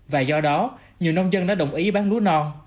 và do đó nhiều nông dân đã đồng ý bán lúa non